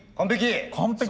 完璧？